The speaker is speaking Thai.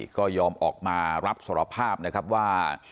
ก็ยอมออกมารับสารภาพนะครับว่า